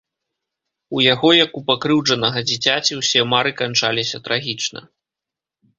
У яго, як у пакрыўджанага дзіцяці, усе мары канчаліся трагічна.